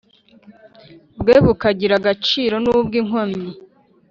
bwe bukagira agaciro n ubwo inkomyi